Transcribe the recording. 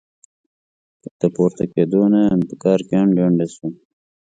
د پورته کېدو نه يم؛ په کار کې هنډي هنډي سوم.